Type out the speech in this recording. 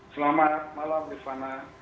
selamat malam rivana